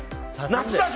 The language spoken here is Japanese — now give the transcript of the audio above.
夏だし！